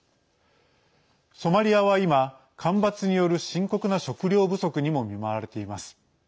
ソマリアは今、干ばつによる深刻な食糧不足にも見舞われています。